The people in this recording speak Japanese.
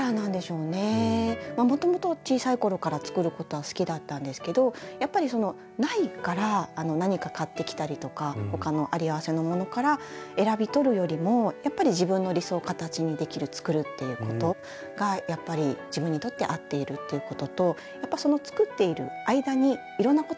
もともと小さい頃から作ることは好きだったんですけどやっぱりそのないから何か買ってきたりとか他の有り合わせのものから選び取るよりもやっぱり自分の理想を形にできる「作る」っていうことが自分にとって合っているということとやっぱ作っている間にいろんなこと発見するじゃないですか。